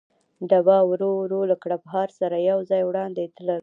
ډبه ورو ورو له کړپهار سره یو ځای وړاندې تلل.